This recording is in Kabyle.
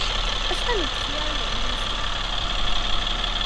Acḥal n tefyar ay rnan ass-a?